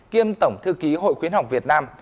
kiêm tổng thư ký hội khuyến học việt nam